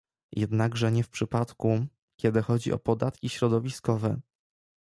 Jednakże nie w przypadku, kiedy chodzi o podatki środowiskowe